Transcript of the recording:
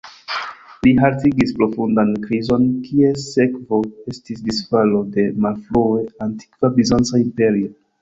Li haltigis profundan krizon, kies sekvo estis disfalo de malfrue antikva bizanca imperio.